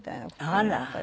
あら！